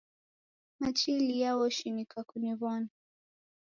Machilia woshinika kuniwona